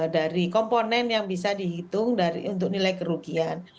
dari komponen yang bisa dihitung untuk nilai kerugian